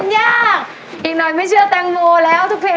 ยอดที่แทงข้างหลัง